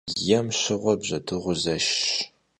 Yêm şığue bjedığur zeşşş.